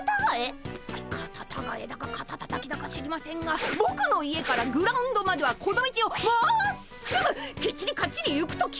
カタタガエだかカタタタキだか知りませんがぼくの家からグラウンドまではこの道をまっすぐきっちりかっちり行くと決まってるんです！